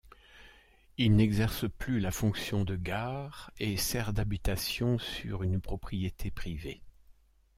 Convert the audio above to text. Il n'exerce plus la fonction de gare et sert d'habitation sur une propriété privée.